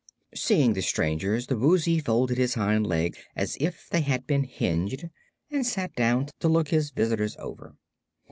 Seeing the strangers, the Woozy folded his hind legs as if they had been hinged and sat down to look his visitors over.